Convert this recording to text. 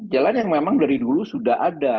jalan yang memang dari dulu sudah ada